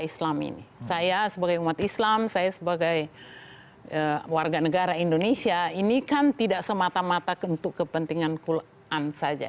saya sebagai umat islam saya sebagai warga negara indonesia ini kan tidak semata mata untuk kepentingan quran ⁇ saja